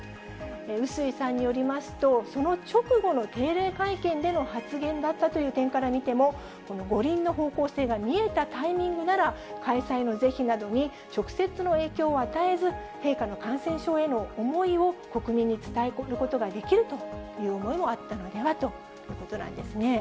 笛吹さんによりますと、その直後の定例会見での発言だったという点から見ても、この五輪の方向性が見えたタイミングなら、開催の是非などに直接の影響を与えず、陛下の感染症への思いを国民に伝えることができるという思いもあったのではということなんですね。